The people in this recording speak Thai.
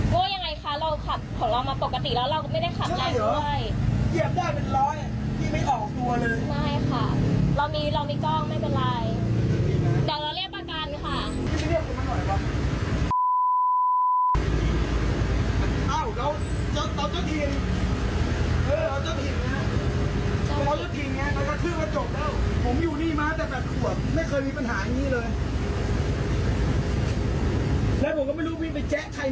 ไปแจ๊ะใครมาแล้วพี่ก็มาโทษผมว่าผมแจ๊ะพี่